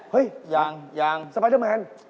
เฮ้ยยังสไปเดอร์แมน